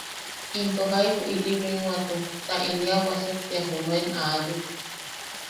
Into jaibu ili binwatu ta inia wuasuktia junuen aayuk.